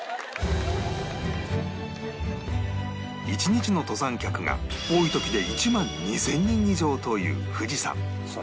１日の登山客が多い時で１万２０００人以上という富士山